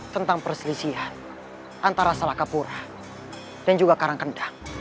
tentang perselisihan antara salakapura dan juga karangkendang